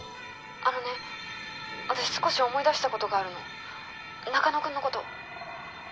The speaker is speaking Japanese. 「あのね私少し思い出した事があるの」「中野くんの事」